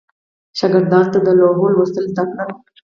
شاګردانو ته د لوحو لوستل زده کړل.